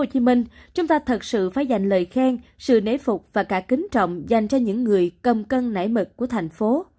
hồ chí minh chúng ta thật sự phải dành lời khen sự nể phục và cả kính trọng dành cho những người cầm cân nảy mực của thành phố